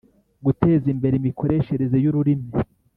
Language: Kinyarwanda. guteza imbere imikoreshereze y’ururimi